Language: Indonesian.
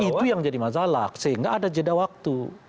itu yang jadi masalah sehingga ada jeda waktu